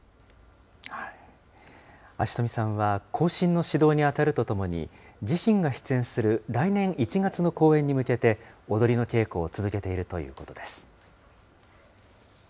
安次富さんは後進の指導に当たるとともに、自身が出演する来年１月の公演に向けて、踊りの稽古を続けているということです。